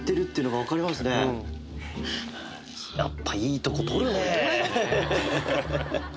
やっぱやっぱいいとこ取るね！